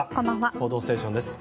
「報道ステーション」です。